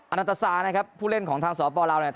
อะนันตซานะครับผู้เล่นของทางสอป